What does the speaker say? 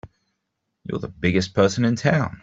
You're the biggest person in town!